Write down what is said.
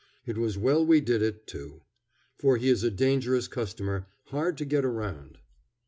It was well we did it, too, for he is a dangerous customer, hard to get around.